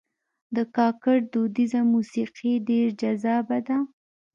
د کاکړ دودیزه موسیقي ډېر جذابه ده.